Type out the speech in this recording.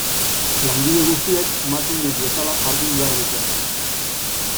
Langile guztiek makinek bezala jardun behar dute.